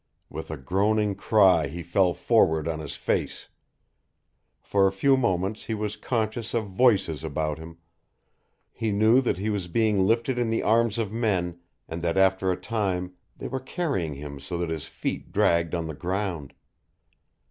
With, a groaning cry he fell forward on his face. For a few moments he was conscious of voices about him; he knew that he was being lifted in the arms of men, and that after a time they were carrying him so that his feet dragged on the ground.